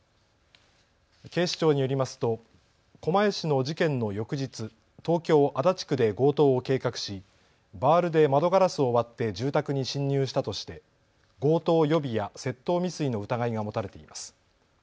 警視庁によりますと狛江市の事件の翌日、東京足立区で強盗を計画しバールで窓ガラスを割って住宅に侵入したとして強盗予備や窃盗未遂の疑いが持たれています。